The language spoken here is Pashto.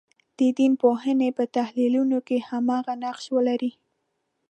د دین پوهنې په تحلیلونو کې هماغه نقش ولري.